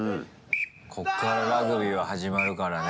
こっからラグビーは始まるからね。